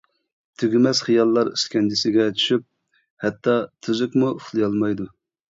تۈگىمەس خىياللار ئىسكەنجىسىگە چۈشۈپ ھەتتا تۈزۈكمۇ ئۇخلىيالمايدۇ.